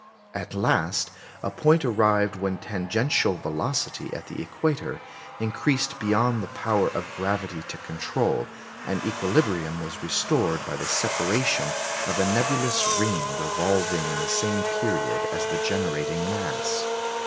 At last a point arrived when tangential velocity at the equator increased beyond the power of gravity to control, and equilibrium was restored by the separation of a nebulous ring revolving in the same period as the generating mass.